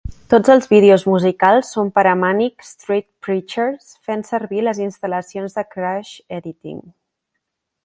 Tots els vídeos musicals són per a Manic Street Preachers, fent servir les instal·lacions de "Crash Editing".